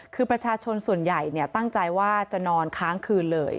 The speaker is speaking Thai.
คือประชาชนส่วนใหญ่ตั้งใจว่าจะนอนค้างคืนเลย